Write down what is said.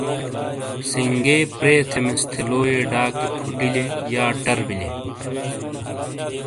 سنگۓ پرے تھیمیس تھے لویئے ڈاکے فوٹیلے/ٹر بلے۔